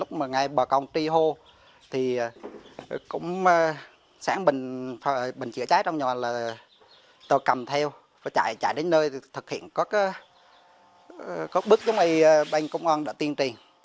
lúc mà ngày bà cong tri hô thì cũng sáng mình chữa cháy trong nhà là tôi cầm theo và chạy đến nơi thực hiện các bước như bệnh công an đã tiên tri